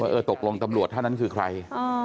เออตกลงตำรวจท่านนั้นคือใคร